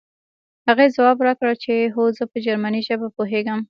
هغې ځواب راکړ چې هو زه په جرمني ژبه پوهېږم